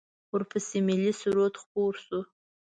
ورپسې ملی سرود خپور شو.